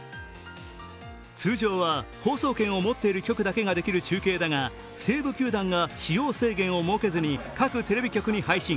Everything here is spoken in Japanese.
通常は放送権を持っている局だけができる中継だが、西武球団が使用制限を設けずに各テレビ局に配信。